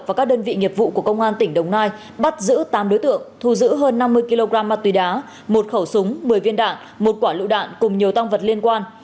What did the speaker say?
và các đơn vị nghiệp vụ của công an tỉnh đồng nai bắt giữ tám đối tượng thu giữ hơn năm mươi kg ma túy đá một khẩu súng một mươi viên đạn một quả lựu đạn cùng nhiều tăng vật liên quan